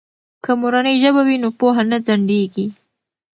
که مورنۍ ژبه وي نو پوهه نه ځنډیږي.